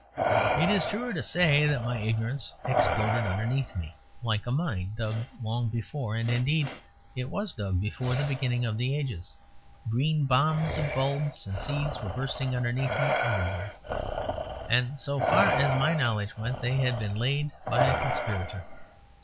It is truer to say that my ignorance exploded underneath me, like a mine dug long before; and indeed it was dug before the beginning of the ages. Green bombs of bulbs and seeds were bursting underneath me everywhere; and, so far as my knowledge went, they had been laid by a conspirator.